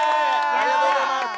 ありがとうございます。